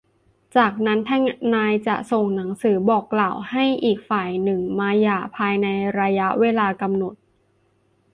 จากนั้นทนายจะส่งหนังสือบอกกล่าวให้อีกฝ่ายหนึ่งมาหย่าภายในระยะเวลากำหนด